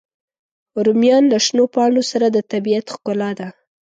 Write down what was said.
رومیان له شنو پاڼو سره د طبیعت ښکلا ده